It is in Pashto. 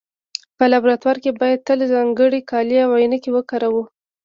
په لابراتوار کې باید تل ځانګړي کالي او عینکې وکاروو.